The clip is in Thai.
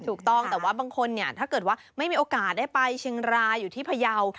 ถูกต้องแต่ว่าบางคนเนี่ยถ้าเกิดว่าไม่มีโอกาสได้ไปเชียงรายอยู่ที่พยาว